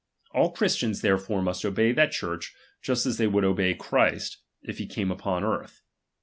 All Christians*'"''*^ therefore must obey that Church, just as they would obey Christ, if he came upon earth.